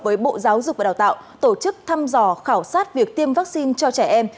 với bộ giáo dục và đào tạo tổ chức thăm dò khảo sát việc tiêm vaccine cho trẻ em